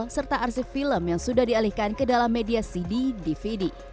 dan memiliki arsip film yang sudah dialihkan ke dalam media cd dvd